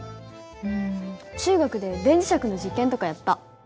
うん中学で電磁石の実験とかやった。